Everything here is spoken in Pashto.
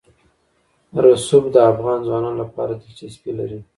رسوب د افغان ځوانانو لپاره دلچسپي لري.